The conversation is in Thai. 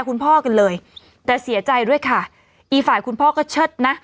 คุณพ่อกันเลยแต่เสียใจด้วยค่ะอีกฝ่ายคุณพ่อก็เชิดนะ